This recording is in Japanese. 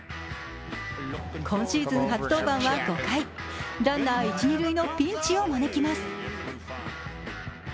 今シーズン初登板は５回、ランナー一・二塁のピンチを招きます。